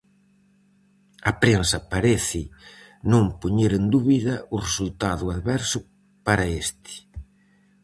A prensa parece non poñer en dúbida o resultado adverso para este.